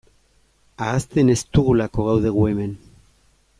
Ahazten ez dugulako gaude gu hemen.